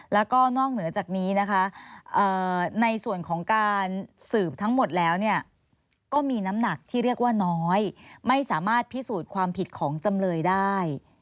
แล้วก็นอกเหนือจากนี้นะคะในส่วนของการสืบทั้งหมดแล้วก็มีน้ำหนักที่เรียกว่าน้อยไม่สามารถพิสูจน์ความผิดของจำเลยได้